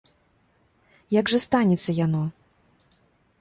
Як жа станецца яно?